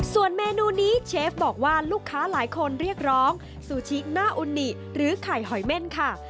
ส่วนเมนูนี้เชฟบอกว่าลูกค้าหลายคนเรียกร้องซูชิหน้าอุนิหรือไข่หอยเม่นค่ะ